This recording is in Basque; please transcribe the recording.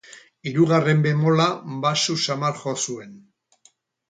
Hirugarren bemola baxu samar jo zuen